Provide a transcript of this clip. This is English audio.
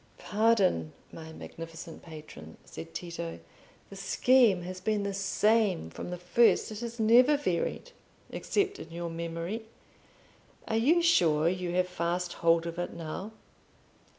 "Pardon, my magnificent patron," said Tito; "the scheme has been the same from the first—it has never varied except in your memory. Are you sure you have fast hold of it now?"